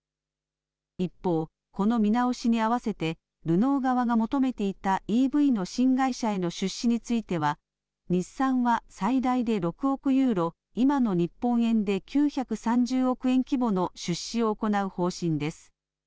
一方、この見直しに合わせてルノー側が求めていたＥＶの新会社への出資については日産は最大で６億ユーロ今の日本円で９３０億円規模の出資を行う方針です。